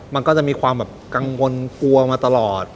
มันก็จะมีความแบบกังวลกลัวมาตลอด